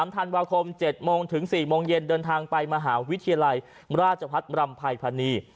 ธันวาคม๗โมงถึง๔โมงเย็นเดินทางไปมหาวิทยาลัยราชพัฒน์รำภัยพันนี